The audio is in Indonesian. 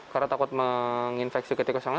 karena takut menginfeksi ke tikus yang lain